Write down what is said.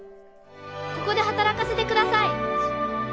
ここで働かせて下さい。